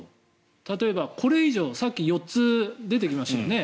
例えば、これ以上さっき４つ出てきましたよね。